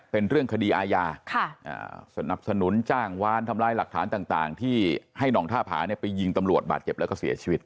เป็นเรื่องคดีอาญาสนับสนุนจ้างวานทำลายหลักฐานต่างที่ให้หนองท่าผาไปยิงตำรวจบาดเจ็บแล้วก็เสียชีวิต